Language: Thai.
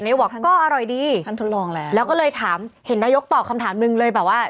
นายกบอกว่าก็อร่อยดีแล้วก็เลยถามเห็นนายกตอบคำถามนึงเลยแบบว่า